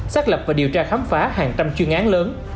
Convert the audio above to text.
xác lập và điều tra khám phá hàng trăm chuyên án lớn